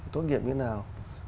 tốt nghiệp như thế nào